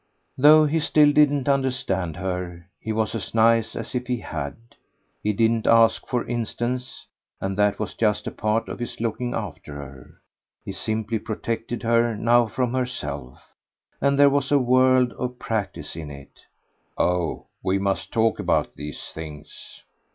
Though he still didn't understand her he was as nice as if he had; he didn't ask for insistence, and that was just a part of his looking after her. He simply protected her now from herself, and there was a world of practice in it. "Oh we must talk about these things!"